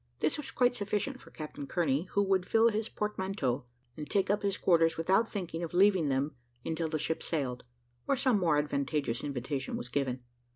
This was quite sufficient for Captain Kearney, who would fill his portmanteau, and take up his quarters without thinking of leaving them until the ship sailed, or some more advantageous invitation was given.